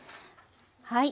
はい。